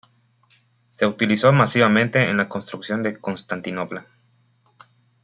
Se utilizó masivamente en la construcción de Constantinopla.